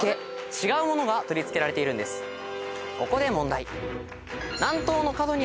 ここで問題。